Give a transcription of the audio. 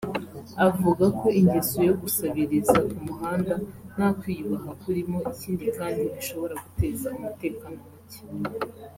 avuga ko ingeso yo gusabiriza ku muhanda nta kwiyubaha kurimo ikindi kandi bishobora guteza umutekano muke